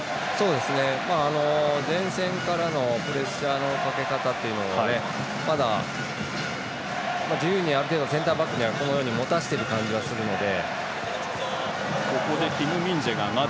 前線からのプレッシャーのかけ方というのがまだ自由にある程度センターバックにはこのように持たせているような感じはするので。